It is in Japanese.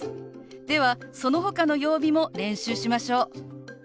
ではそのほかの曜日も練習しましょう。